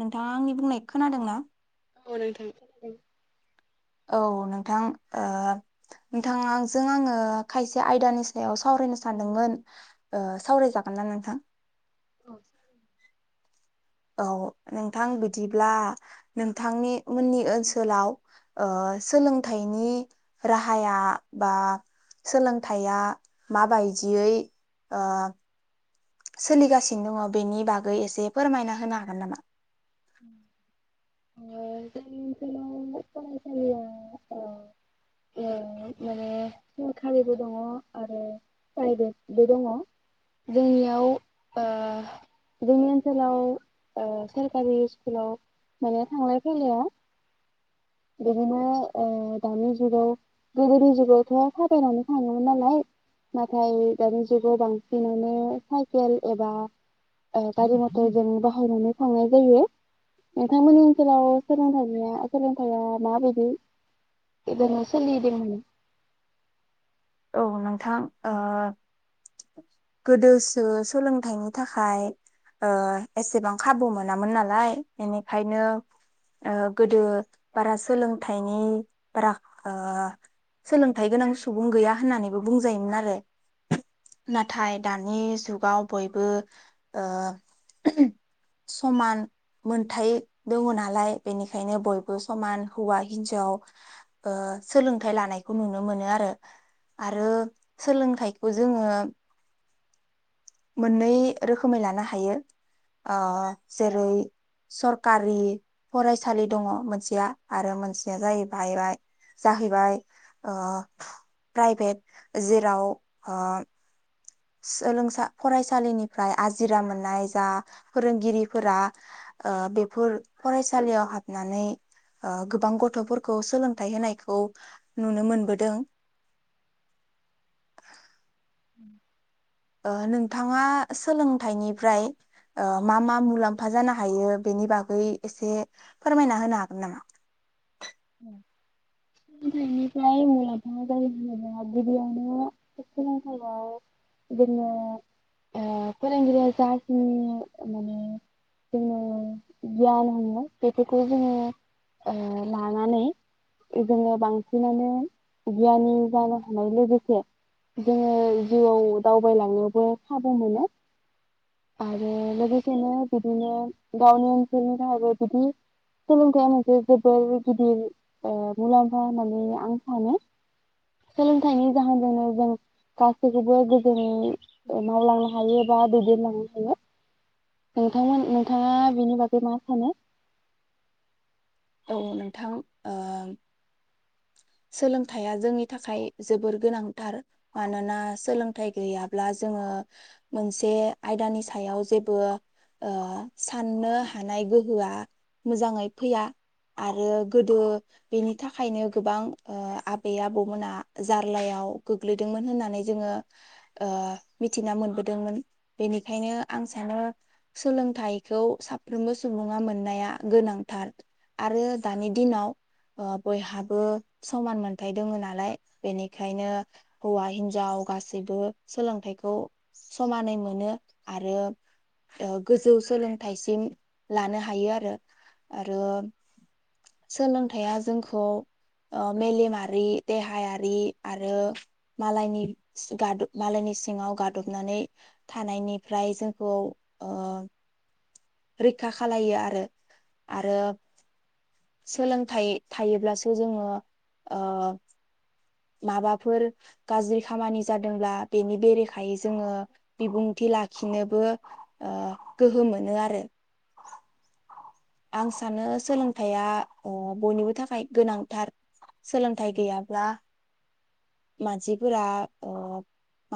नोंथांङा आंनि बुंनाय खोनादों ना? औ नोंथां खोनादों। औ नोंथां ओ नोंथांङाजों आंङो खायसे आयदानि सायाव सावरायनो सानदोंमोन ओ सावरायजागोन ना नोंथां? औ सावराय जागोन। औ नोंथां बिदिब्ला नोंथांनि मोननि ओनसोलाव ओ सोलोंथाइनि राहाया बा सोलोंथाइया माबायदियै ओ सोलिगासिनो दंङ बेनि बागै एसे फोरमायना होनो हागोन नामा? जोंनि ओनसोलाव फरायसालिया ओ ओ माने सरखारिबो दंङ आरो प्राइभेटबो दंङ जोंनियाव ओ जोंनि ओनसोलाव ओ सोर कारि स्कुलाव माने थांलाय फैलायाव बिदिनो ओ दानि जुगाव गोदोनि जुगावथ' थाबायनानै थांङोमोन नालाय नाथाय दानि जुगाव बांसिनानो साइकेल एबा ओ गारि मटरजों बाहायनानै थांनाय जायो नोंथांमोननि ओनसोलाव सोलोंथाइनिया सोलोंथाइ थाया माबायदि इदिनो सोलिदोंमोननो औ नोंथां ओ गोदोसो सोलोंथाइनि थाखाय ओ एसेबां खाबु मोनामोन नालाय बेनिखायनो ओ गोदो बारा सोलोंथाइनि बारा ओ सोलोंथाइ गोनां सुबुं गैया होननानैबो बुंजायोमोन आरो नाथाय दानि जुगाव बयबो ओ उमह समान मोनथाय दंङ नालाय बेनिखायनो बयबो समान हौवा हिन्जाव ओ सोलोंथाइ लानायखौ नुनो मोनो आरो। आरो सोलोंथाइखौ जोंङो मोननै रोखोमै लानो हायो ओ जेरै सरकारि फरायसालि दंङ मोनसेया आरो मोनसेया जाहैबायबाय जाहैबाय ओ प्राइभेट जेराव ओ सोलोंसा फरायसालिनिफ्राय आजिरा मोननाय जा फोरोंगिरिफोरा ओ बेफोर फरायसालियाव हाबनानै ओ गोबां गथ'फोरखौ सोलोंथाइ होनायखौ नुनो मोनबोदों। उम। ओ नोंथांङा सोलोंथाइनिफ्राय ओ मा मा मुलाम्फा जानो हायो बेनि बागै एसे फोरमायना होनो हागोन नामा? सोलोंथाइनिफ्राय मुलाम्फा जायो होनोब्ला गिबियावनो सोलोंथाइयाव जोंङो ओ फोरोंगिरिया जाखिनि माने जोंनो गियान होयो बेफोरखौ जोंङो ओ लानानै जोंङो बांसिनानो गियानि जानो हानाय लोगोसे जोंङो जिउआव दावबायलांनोबो खाबु मोनो। आरो लोगोसेनो बिदिनो गावनि ओनसोलनि थाखायबो बिदि सोलोंथाइया मोनसे जोबोर गिदिर ओ मुलाम्फा होननानै आं सानो सोलोंथाइनि जाहोनजोंनो जों गासैखौबो गोजोनै ओ मावलांनो हायो। बा दैदेनलांनो हेलौ नोंथांमोन नोंथांङा बिनि बागै मा सानो? औ नोंथां ओ सोलोंथाइया जोंनि थाखाय जोबोर गोनांथार मानोना सोलोंथाइ गैयाब्ला जोंङो मोनसे आयदानि सायाव जेबो ओ साननो हानाय गोहोआ मोजांङै फैया। आरो गोदो बेनि थाखायनो गोबां ओ आबै आबौमोना जार्लायाव गोग्लैदोंमोन होननानै जोंङो ओ मिथिना मोनबोदोंमोन बेनिखायनो आं सानो सोलोंथाइखौ साफ्रोमबो सुबुंङा मोननाया गोनांथार। आरो दानि दिनाव ओ बयहाबो समान मोनथ दोंङो नालाय बेनिखायनो हौवा हिन्जाव गासैबो सोलोंथाइखौ समानै मोनो आरो ओ गोजौ सोलोंथाइसिम लानो हायो आरो। आरो सोलोंथाया जोंखौ ओ मेलेमारि देहायारि आरो मालायनि सिगा मालायनि सिंङाव गादबनानै थानायनिफ्राय जोंखौ ओ रैखा खालायो आरो। आरो सोलोंथाइ थायोब्लासो जोंङो ओ माबाफोर गाज्रि खामानि जादोंब्ला बेनि बेरेखायै जोंङो बिबुंथि लाखिनोबो ओ गोहो मोनो आरो। आं सानो सोलोंथाइया ओ बयनिबो थाखाय गोनांथार सोलोंथाइ गैयाब्ला मानसिफोरा ओ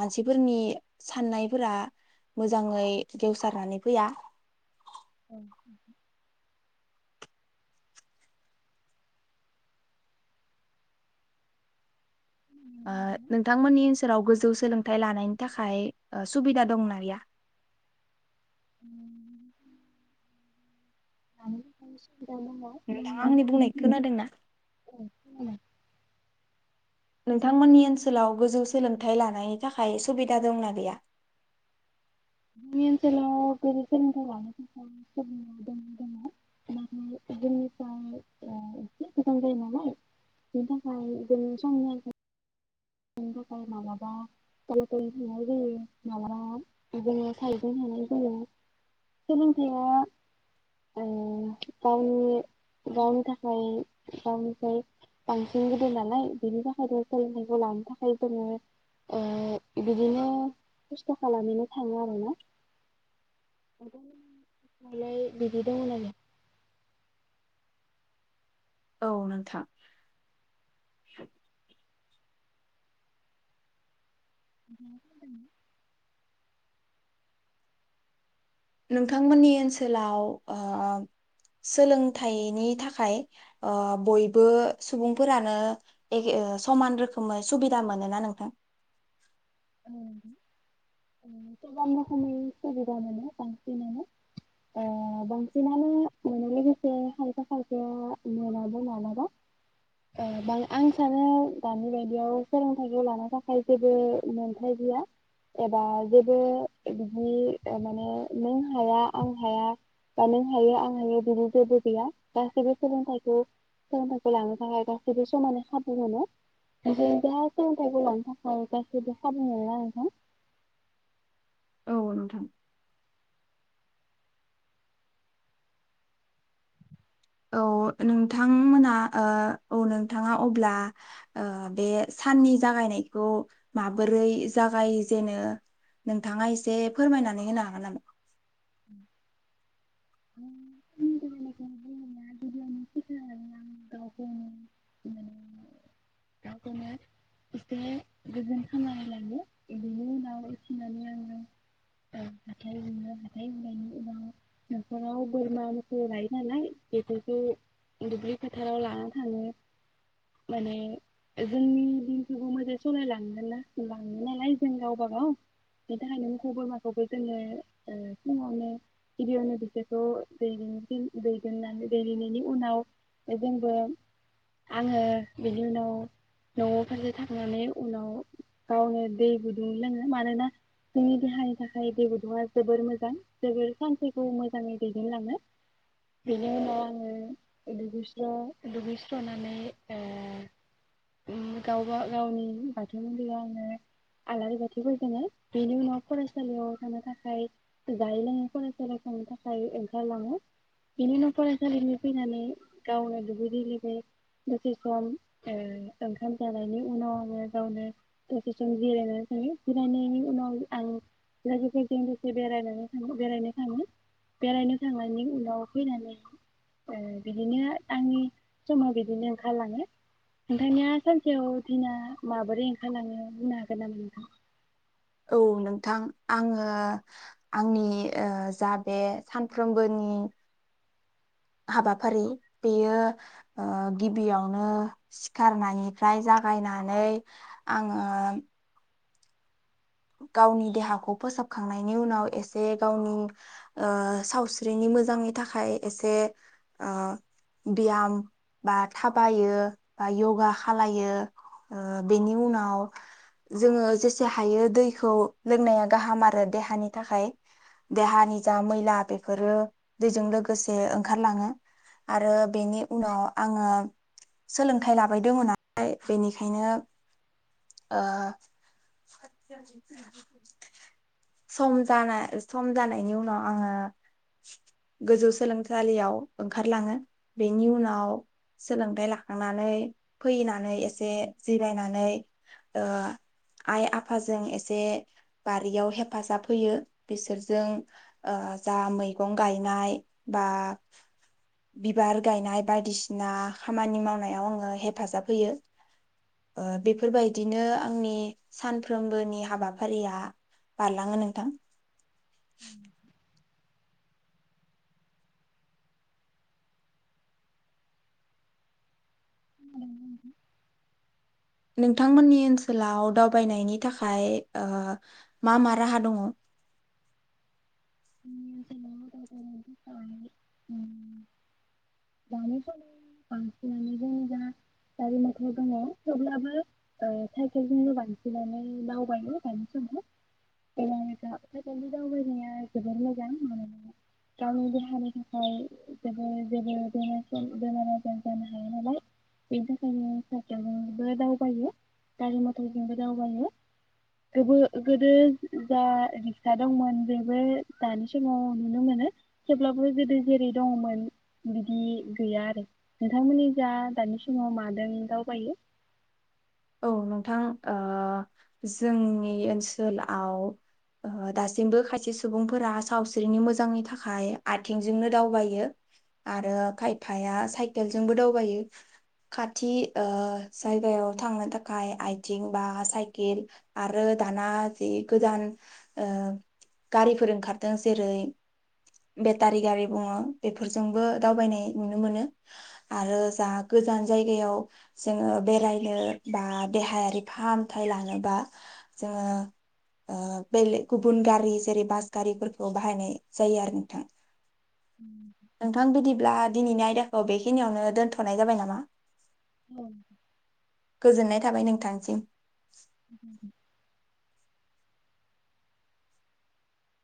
मानसिफोरनि साननायफोरा मोजांङै गेवसारनानै फैया। औ नोंथां। ओ नोंथांमोननि ओनसोलाव गोजौ सोलोंथाइ लानायनि थाखाय ओ सुबिदा दंना गैया? [inaudible] [inaudible] नोंथाङा आंनि बुंनाय खोनादोंना? नोंथांमोननि ओनसोलाव गोजौ सोलोंथाइ लानायनि थाखाय सुबिदा दंना गैया? जोंनि ओनसोलाव गोजौ सोलोंथाइ लानो थाखाय सुबिदा [inaudible] [unintelligible] सोलोंथाया ओ गावनि थाखाय [unintelligible] थाखाय जोङो ओ बिदिनो खस्थ' खालामहैनो थाङो आरोना [inaudible] बिदि दं ना गैया? औ नोंथां। [inaudible] नोंथांमोननि ओनसोलाव ओ सोलोंथाइनि थाखाय ओ बयबो सुबुंफोरानो एखे समान रोखोमै सुबिदा मोनोना नोंथां? [inaudible] गोबां रोखोमै सुबिदा मोनो बांसिनानो ओ बांसिनानो मोनो लोगोसे खायफा खायफाया मोनाबो मालाबा ओ बां आं सानो दानि बायदियाव सोलोंथाइखौ लानो थाखाय जेबो मोनथाय गैया एबा जेबो बिदि माने नों हाया आं हाया बा नों हायो आं हायो बिदि जेबो गैया गासैबो सोलोंथाइखौ सोलोंथाइखौ लानो थाखाय गासैबो समाननै खाबु मोनो जों दा सोलोंथाइखौ लानो थाखाय जेबो खाबु मोना नोंथां। औ नोंथां। औ नोंथांमोना ओ औ नोंथाङा अब्ला ओ बे साननि जागायनायखौ माबोरै जागायजेनो नोंथाङा एसे फोरमायनानै होनो हागोन नामा? [inaudible] सिखायनानै आं गावखौनो माने गावखौनो एसे गोजोन खालामनानै लायो बेनि उनाव फिनानै आङो ओ हाथाय हुयो हाथाय हुनायनि उनाव न'खराव बोरमा मोसौ लायो नालाय बेफोरखौ दुब्लि फोथाराव लाना थाङो माने जोंनि दिनखौबो मोजाङै सालायलांगोन ना लाङो नालाय जों गावबा गावनि थाखायनो मोखौ बोरमाखौबो जोङो ओ फुङावनो गिबियावनो बिसोरखौ दैदिन दैदेननानै दैदेननायनि उनाव जोंबो आङो बिनि उनाव न'आव फारसे थांनानै उनाव गावनो दै गुद उम लोङो मानोना जोंनि देहानि थाखाय दै गुदुंआ जोबोर मोजां जोबोर सानसेखौ मोजाङै दैदेनलाङो बेनि उनाव आङो दुगैस्र दुगैस्रनानै ओ उम गावबा गावनि बाथौ मन्दिरावनो आलारि बाथि फोजोङो बेनि उनाव फरायसालियाव थांनो थाखाय जायै लोङै फरायसालियाव थांनो थाखाय ओंखारलाङो बेनि उनाव फरायसालिनि फैनानै गावनो दुगै दै लौबै दसे सम ओ ओंखाम जानायनि उनाव आङो गावनो दसे समनि जिरायनानै थाङो जिरायनायनि उनाव आं लोगोफोरजों दसे बेरायनै थाङो बेरायनो थाङो बेरायनो थांनायनि उनाव फैनानै ओ बिदिनो आंनि समा बिदिनो ओंखारलाङो नोंथांनिया सानसेयाव दिना माबोरै ओंखारलाङो बुंनो हा गोनना नोंथां? औ नोंथां आङो आंनि ओ जा बे सानफ्रोमबोनि हाबाफारि बेयो ओ गिबियावनो सिखारनानिफ्राय जागायनानै आङो गावनि देहाखौ फोसाबखांनायनि उनाव एसे गावनि ओ सावस्रिनि मोजांनि थाखाय एसे ओ ब्याम बा थाबायो बा योगा खालो ओ बेनि उनाव जोङो जेसे हायो दैखौ लोंनाया गाहाम आरो देहानि थाखाय देहानि जा मैला बेफोरो दैजों लोगोसे ओंखारलाङो आरो बेनि उनाव आङो सोलोंथाइ लाबायदों नालाय बेनिखायनो ओ [inaudible] सम जानाय सम जानायनि उनाव आङो गोजौ सोलोंसालियाव ओंखारलाङो बेनि उनाव सोलोंथायाइ लाखांनानै फैनानै एसे जिरायनानै ओ आइ आफ आफाजों एसे बारियाव हेफाजाब होयो बिसोरजों ओ जा मैगं गायनाय बा बिबार गायनाय बायदिसिना खामानि मावनायाव आङो हेफाजाब होयो ओ बेफोरबायदिनो आंनि सान फ्रोमबोनि हाबाफारिया बारलाङो नोंथां। [inaudible] [inaudible] नोंथांमोननि ओनसोलाव दावबायनायनि थाखाय ओ मा मा राहा दङ? [inaudible] थाखाय उम दानि समाव बांसिनानो जों जा गारि मथर दङ थेवब्लाबो ओ साइकेलजोंनो बांसिनानो दावबायो दानि समाव [unintelligible] साइकेलजों दावबायनाया जोबोर मोजां मानोना गावनि देहानि थाखाय जोबो जोबोद बेमारफोर बेमार आजार जानो हाया नालाय बेनि थाखायनो साइकेलजोंबो दावबायो गारि मथरजोंबो दावबायो गोबो गोदो जा रिक्सा दंमोन बेबो दानि समाव नुनो मोनो थेवब्लाबो गोदो जेरै दङमोन बि बि गैया आरो नोंथांमोननि जा दानि समाव मादों दावबायो? औ नोंथां ओ जोंनि ओनसोआव ओह दासिमबो खायसे सुबुंफोरा सावस्रिनि मोजांनि थाखाय आथिंजोंनो दावबायो आरो खायफाया साइकेलजोंबो दावबायो खाथि ओ जायगायाव थांनो थाखाय आइथिं बा साइकेल आरो दाना जि गोदान ओ गारिफोर ओंखारदों जेरै बेटारि गारि बुङो बेफोरजोंबो दावबायनाय नुनो मोनो आरो जा गोजान जायगायाव जोङो बेरायनो बा देहायारि फाहामथाय लानोबा जोङो ओ बेलेग गुबुन गारि जेरै बास गारिफोरखौ बाहायनाय जायो आरो नोंथां। नोंथां बिदिब्ला दिनैनि आयदाखौ बेखिनियावनो दोनथ'नाय जाबाय नामा? औ। गोजोननाय थाबाय नोंथांनिसिम। [inaudible]